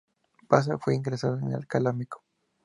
Bassa fue ingresada en Alcalá-Meco.